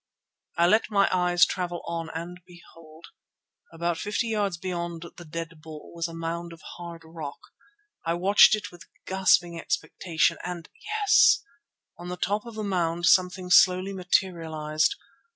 I let my eyes travel on, and behold! about fifty yards beyond the dead bull was a mound of hard rock. I watched it with gasping expectation and—yes, on the top of the mound something slowly materialized.